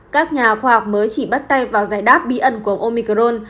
các nhà khoa học mới chỉ bắt tay vào giải đáp bí ẩn của ông omicron